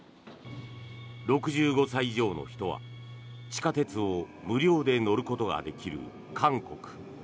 ６５歳以上の人は地下鉄を無料で乗ることができる韓国。